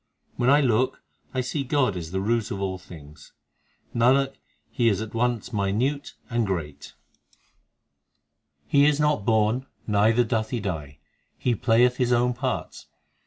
When I look I see God is the root of all things ; Nanak, He is at once minute and great ; He is not born, neither doth He die ; He playeth His own parts.